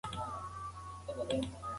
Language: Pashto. انسان له خپل چاپیریال سره ژوره مینه لري.